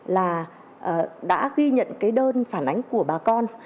là đã ghi nhận cái đơn phản ánh của bà con